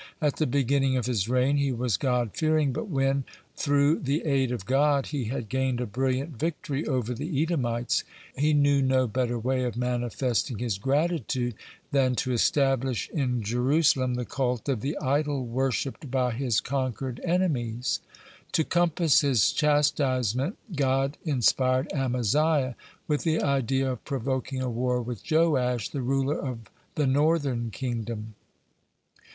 At the beginning of his reign he was God fearing, but when, through the aid of God, he had gained a brilliant victory over the Edomites, he knew no better way of manifesting his gratitude than to establish in Jerusalem the cult of the idol worshipped by his conquered enemies. To compass his chastisement, God inspired Amaziah with the idea of provoking a war with Joash, the ruler of the northern kingdom.